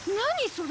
それ。